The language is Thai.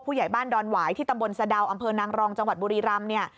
ผู้ใหญ่บ้านดอนหวายที่ตำบลสะดาวอำเภอนางรองจังหวัดบุรีรำเนี่ย